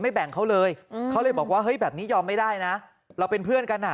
แบ่งเขาเลยเขาเลยบอกว่าเฮ้ยแบบนี้ยอมไม่ได้นะเราเป็นเพื่อนกันอ่ะ